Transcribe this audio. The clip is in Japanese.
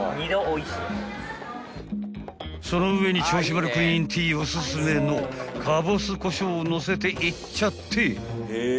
［その上に銚子丸クイーンＴおすすめのかぼす胡椒をのせていっちゃって！］